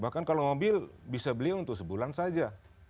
bahkan kalau mobil bisa beli untuk sebulan saja